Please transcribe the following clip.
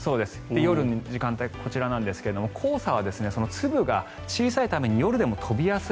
夜の時間帯はこちらなんですが黄砂は粒が小さいために夜でも飛びやすい。